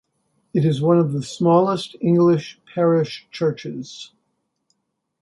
It is one of the smallest English parish churches.